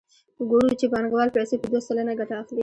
ګورو چې بانکوال پیسې په دوه سلنه ګټه اخلي